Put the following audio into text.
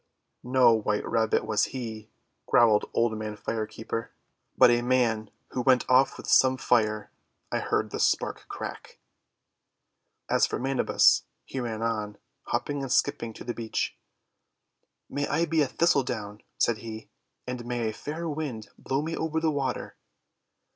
"No white Rabbit was he," growled Old Man 282 THE WONDER GARDEN Fire Keeper, "but a man who went off with some Fire. I heard the spark crack." As for Manabus, he ran on, hopping and skip ping, to the beach. "May I be a Thistledown," said he, "and may a fair Wind blow me over the water!'